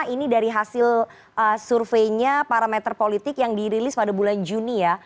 ini dari hasil surveinya parameter politik yang dirilis pada bulan juni ya